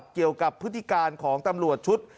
เกี่ยวกับพฤติการของตำรวจชุด